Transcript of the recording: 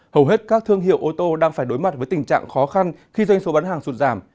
hầu hết các thương hiệu ô tô đang phải đối mặt với tình trạng khó khăn khi doanh số bán hàng sụt giảm